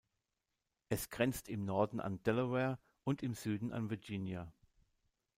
Es grenzt im Norden an Delaware und im Süden an Virginia.